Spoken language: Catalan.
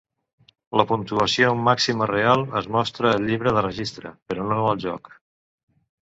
La puntuació màxima real es mostra al llibre de registre, però no al joc.